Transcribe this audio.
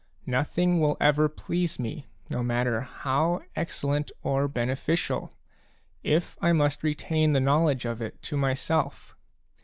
Nothing will ever please me, no matter how excellent or beneficial, if I must retain the knowledge of it to myself.